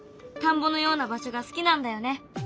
田んぼのような場所が好きなんだよね。